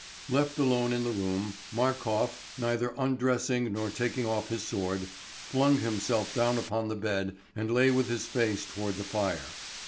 Left alone in the room, Markof, neither undressing nor taking off his sword, flung himself down upon the bed and lay with his face toward the fire.